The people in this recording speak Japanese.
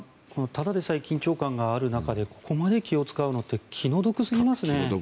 ただでさえ緊張感がある中でここまで気を使うのは気の毒ですよね。